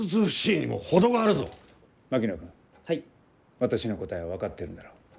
私の答えは分かってるんだろう？